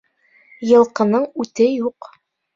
Йылҡының үте юҡ.